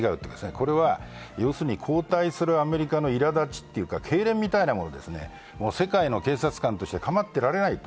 これは後退するアメリカのいらだちというかけいれんみたいなものですね、世界の警察官としてかまってられないと。